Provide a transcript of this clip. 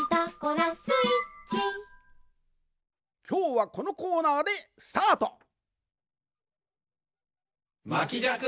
きょうはこのコーナーでスタート！